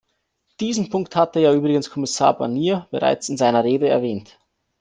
Diesen Punkt hatte ja übrigens Kommissar Barnier bereits in seiner Rede erwähnt.